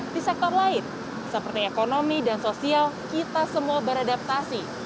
di sektor lain seperti ekonomi dan sosial kita semua beradaptasi